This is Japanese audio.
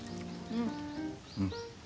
うん。